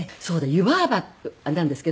湯婆婆なんですけど私。